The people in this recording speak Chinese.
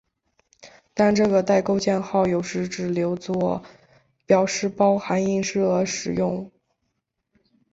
但这个带钩箭号有时只留作表示包含映射时用。